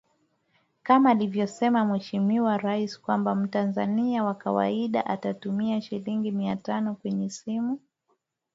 kama alivyosema mheshimiwa rais kwamba mtanzania wa kawaida anatumia shilingi mia tano kwenye simu